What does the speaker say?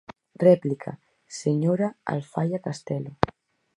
Réplica, señora Alfaia Castelo.